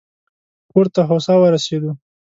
کور ته هوسا ورسېدو.